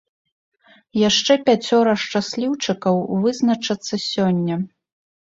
Яшчэ пяцёра шчасліўчыкаў вызначацца сёння.